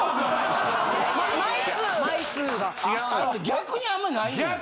逆にあんまないねん。